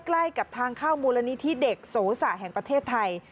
ใกล้กับทางเข้ามูลนิธิเด็กโสสะแห่งประเทศไทย